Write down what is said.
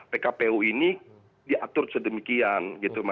pkpu ini diatur sedemikian